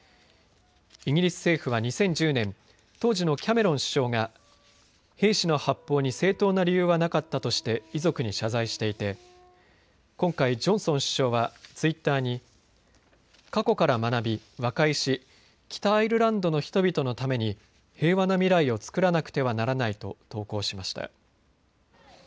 イギリス政府は２０１０年、当時のキャメロン首相が兵士の発砲に正当な理由はなかったとして遺族に謝罪していて今回、ジョンソン首相はツイッターに過去から学び、和解し北アイルランドの人々のために平和な未来を作らなくてはならないと投稿しました。